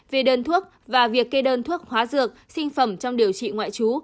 về đơn thuốc và việc kê đơn thuốc hóa dược sinh phẩm trong điều trị ngoại trú